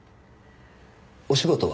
お仕事は？